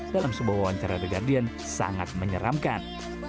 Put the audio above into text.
dalam sebuah wawancara the guardian sangat menyeramkan